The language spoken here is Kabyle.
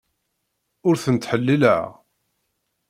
Ur ten-ttḥellileɣ.